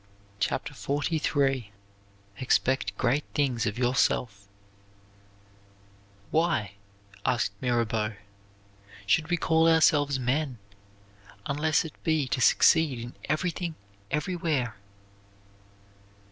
CHAPTER XLIII EXPECT GREAT THINGS OF YOURSELF "Why," asked Mirabeau, "should we call ourselves men, unless it be to succeed in everything everywhere?"